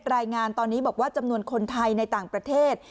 รายงานตอนนี้บอกว่าจำนวนคนไทยในต่างประเทศ